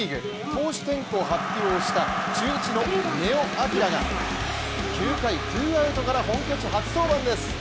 投手転向を発表した中日の根尾昂が９回ツーアウトから本拠地初登板です。